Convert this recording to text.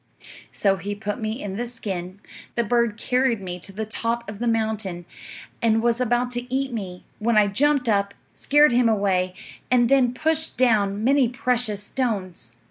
"'So he put me in the skin; the bird carried me to the top of the mountain and was about to eat me, when I jumped up, scared him away, and then pushed down many precious stones.